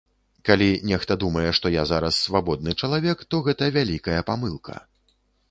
Калі нехта думае, што я зараз свабодны чалавек, то гэта вялікая памылка.